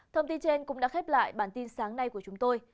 thông tin trên cũng đã khép lại bản tin sáng nay của chúng tôi